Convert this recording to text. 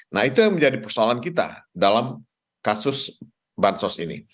nah itu yang menjadi persoalan kita dalam kasus bansos ini